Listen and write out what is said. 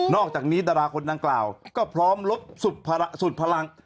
อกจากนี้ดาราคนดังกล่าวก็พร้อมลดสุดพลัง